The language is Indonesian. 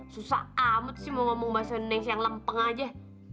susah amat sih mau ngomong bahasa indonesia yang lempeng aja